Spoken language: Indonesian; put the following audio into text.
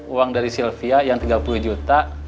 uang dari sylvia yang tiga puluh juta